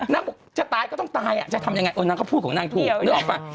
นางบอกจะตายก็ต้องตายอ่ะจะทำอย่างไงเออนางเขาพูดของนางถูกนะออกมา